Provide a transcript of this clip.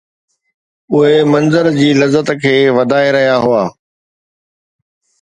اهي منظر جي لذت کي وڌائي رهيا هئا